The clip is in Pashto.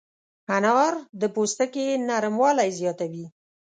انار د پوستکي نرموالی زیاتوي.